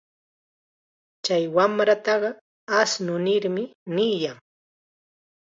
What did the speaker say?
Chay wamrataqa ashnu nirmi niyan.